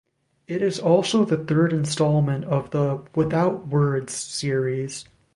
It is also the third installment of the "Without Words" series.